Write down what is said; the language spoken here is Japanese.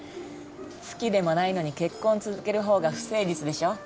好きでもないのに結婚続ける方が不誠実でしょ？